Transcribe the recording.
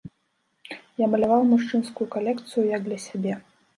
Я маляваў мужчынскую калекцыю як для сябе.